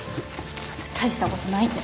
そんな大したことないんで。